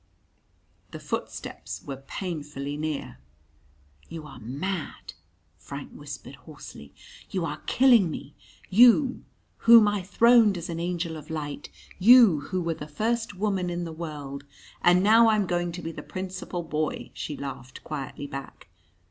The footsteps were painfully near. "You are mad," Frank whispered hoarsely. "You are killing me you whom I throned as an angel of light; you who were the first woman in the world " "And now I'm going to be the Principal Boy," she laughed quietly back.